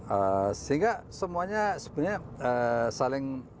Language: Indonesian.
eee sehingga semuanya sebenarnya saling